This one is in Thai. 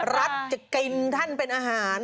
รัฐจะกินท่านเป็นอาหาร